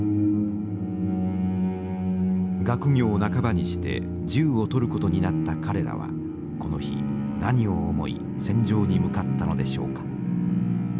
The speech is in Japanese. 学業半ばにして銃を取ることになった彼らはこの日何を思い戦場に向かったのでしょうか。